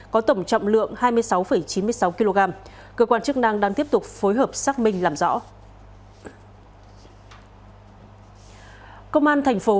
có tổng trọng lượng hai mươi sáu chín mươi sáu kg cơ quan chức năng đang tiếp tục phối hợp xác minh làm rõ